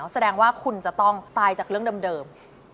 แสดงว่าคุณจะต้องตายจากเรื่องเดิม